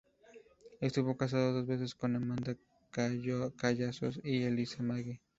Estuvo casado dos veces: con Amanda Collazos y Elisa Maggi.